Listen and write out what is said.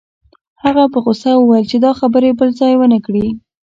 هغه په غوسه وویل چې دا خبرې بل ځای ونه کړې